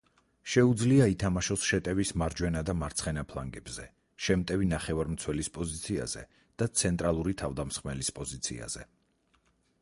შეუძლია ითამაშოს შეტევის მარჯვენა და მარცხენა ფლანგებზე, შემტევი ნახევარმცველის პოზიციაზე და ცენტრალური თავდამსხმელის პოზიციაზე.